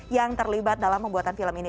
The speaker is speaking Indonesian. yang terlibat dalam pembuatan film ini